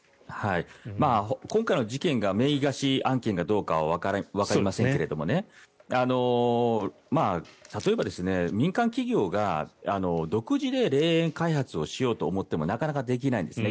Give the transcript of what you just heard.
今回の事件が名義貸し案件かどうかわかりませんが例えば、民間企業が独自で霊園開発をしようと思ってもなかなかできないんですね。